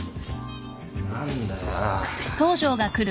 何だよ。